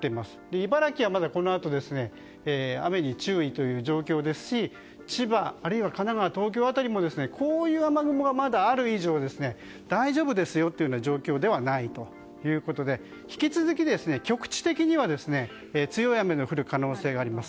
茨城はこのあとも雨に注意という状況ですし千葉、神奈川、東京辺りもこういう雨雲がまだある以上大丈夫ですよという状況ではないので引き続き、局地的には強い雨が降る可能性があります。